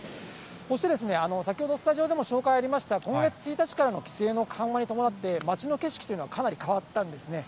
そして、先ほどスタジオでも紹介ありました、今月１日からの規制の緩和に伴って、街の景色というのはかなり変わったんですね。